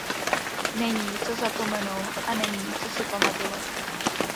Není co zapomenout a není co si pamatovat.